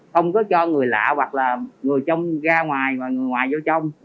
không có cho người lạ hoặc là người trong ra ngoài và người ngoài vô trong